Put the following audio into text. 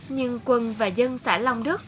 nhưng quân và dân xã long đức